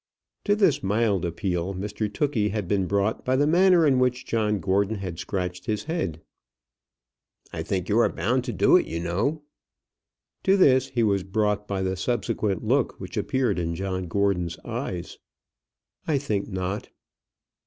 To this mild appeal Mr Tookey had been brought by the manner in which John Gordon had scratched his head. "I think you are bound to do it, you know." To this he was brought by the subsequent look which appeared in John Gordon's eyes. "I think not."